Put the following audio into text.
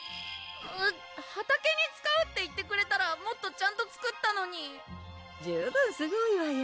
畑に使うって言ってくれたらもっとちゃんと作ったのに十分すごいわよ